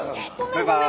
バイバイ！